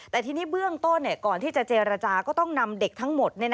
แต่ทีนี้เบื้องต้นก่อนที่จะเจรจาก็ต้องนำเด็กทั้งหมด